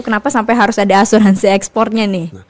kenapa sampai harus ada asuransi ekspornya nih